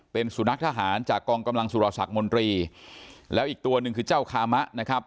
เป็นสุนัขทหารจากกองกำลังจศมธแล้วอีกตัวหนึ่งคือเจ้าคามะ